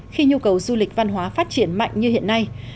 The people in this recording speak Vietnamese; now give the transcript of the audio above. khi nhu cầu du lịch văn hóa phát triển mạnh như hiện nay